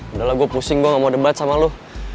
udahlah gue pusing gue gak mau debat sama lo